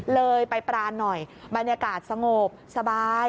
เลยไปปรานหน่อยบรรยากาศสงบสบาย